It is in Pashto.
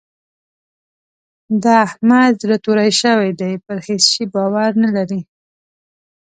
د احمد زړه توری شوی دی؛ پر هيڅ شي باور نه لري.